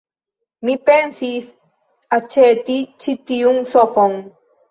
Mi pensis aĉeti ĉi tiun sofon.